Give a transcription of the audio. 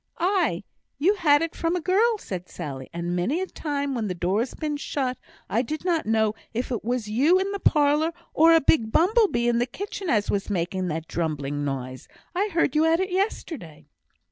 "Aye, you had it from a girl," said Sally; "and many a time, when the door's been shut, I did not know if it was you in the parlour, or a big bumble bee in the kitchen, as was making that drumbling noise. I heard you at it yesterday."